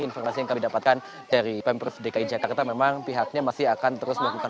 informasi yang kami dapatkan dari pemprov dki jakarta memang pihaknya masih akan terus melakukan